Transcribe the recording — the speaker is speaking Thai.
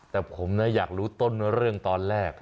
แต่ผมอยากรู้ต้นเรื่องตอนแรก